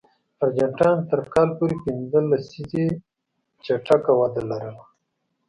ارجنټاین تر کال پورې پنځه لسیزې چټکه وده لرله.